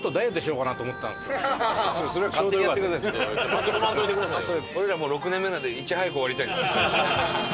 巻き込まんといてくださいよ。